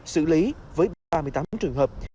cũng với cái lỗ đổ ở chỗ